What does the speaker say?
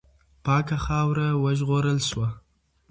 پاکه خاوره وژغورل سوه.